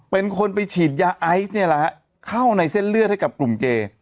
เป็นคนไปฉีดยาไอซ์เนี่ยแหละฮะเข้าในเส้นเลือดให้กับกลุ่มเกย์